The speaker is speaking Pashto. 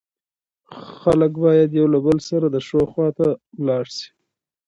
خلک بايد يو له له سره د ښو خوا ته ولاړ سي